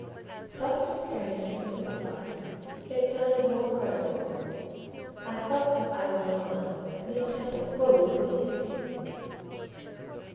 Thus restrained and simplified, it sounded more credible: I felt as I went on that Miss Temple fully believed me.